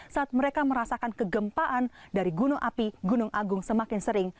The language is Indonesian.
saat mereka merasakan kegempaan dari gunung api gunung agung semakin sering